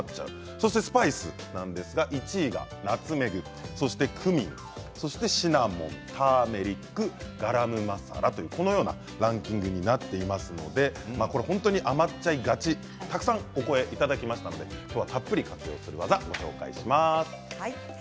そしてスパイスなんですが１位がナツメグそしてクミン、シナモンターメリック、ガラムマサラこのようなランキングになっていますので本当に余りがちというお声をたくさんいただきましたので楽ワザをたくさんお伝えします。